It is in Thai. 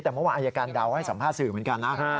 แต่เมื่อวานอายการดาวก็ให้สัมภาษณ์สื่อเหมือนกันนะ